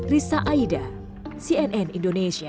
risa aida cnn indonesia